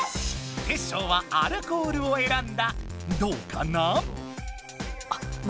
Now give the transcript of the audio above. テッショウはアルコールをえらんだ。